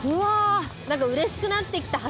何かうれしくなって来た橋。